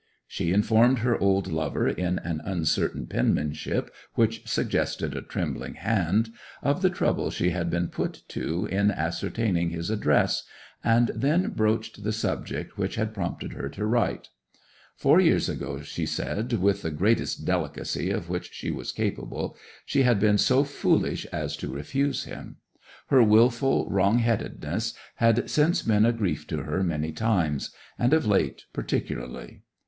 She informed her old lover, in an uncertain penmanship which suggested a trembling hand, of the trouble she had been put to in ascertaining his address, and then broached the subject which had prompted her to write. Four years ago, she said with the greatest delicacy of which she was capable, she had been so foolish as to refuse him. Her wilful wrong headedness had since been a grief to her many times, and of late particularly.